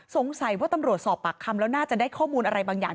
สงสัยว่าตำรวจสอบปากคำแล้วน่าจะได้ข้อมูลอะไรบางอย่าง